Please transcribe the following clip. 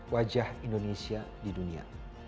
wajah indonesia di dunia